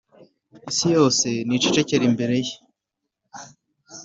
Isi yose nicecekere imbere ye